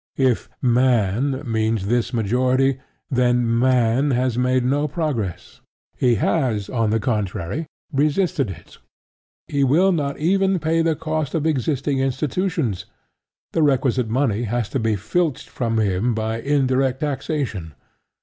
If "Man" means this majority, then "Man" has made no progress: he has, on the contrary, resisted it. He will not even pay the cost of existing institutions: the requisite money has to be filched from him by "indirect taxation."